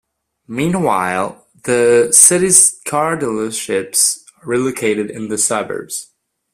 Meanwhile, the city's car dealerships relocated in the suburbs.